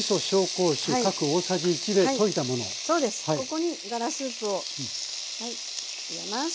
ここにガラスープをはい入れます。